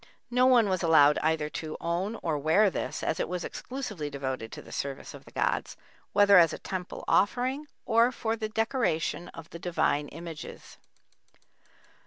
No one was allowed either to own or wear this as it was exclusively devoted to the service of the gods, whether as a temple offering, or for the decoration of the divine images.